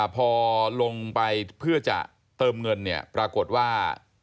พอลงไปเพื่อจะเติมเงินเนี่ยปรากฏว่า